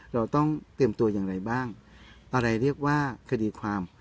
เราต้องเตรียมตัวอย่างไรบ้างอะไรเรียกว่าคดีความ